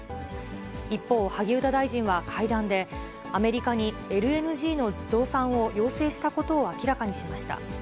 一方、萩生田大臣は会談で、アメリカにＬＮＧの増産を要請したことを明らかにしました。